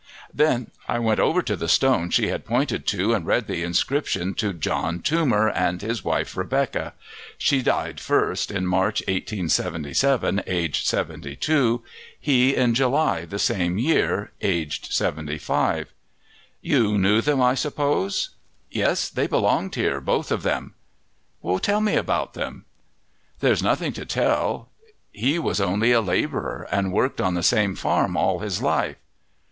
Then I went over to the stone she had pointed to and read the inscription to John Toomer and his wife Rebecca. She died first, in March 1877, aged 72; he in July the same year, aged 75. "You knew them, I suppose?" "Yes, they belonged here, both of them." "Tell me about them." "There's nothing to tell; he was only a labourer and worked on the same farm all his life."